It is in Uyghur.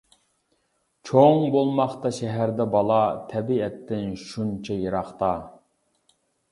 چوڭ بولماقتا شەھەردە بالا، تەبىئەتتىن شۇنچە يىراقتا.